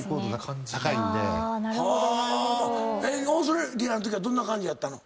はぁオーストリアのときはどんな感じやったの？